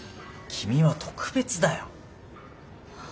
君は特別だよ。